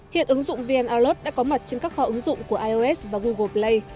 hiện ứng dụng vn olot đã có mặt trên các kho ứng dụng của ios và google play